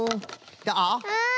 あっ！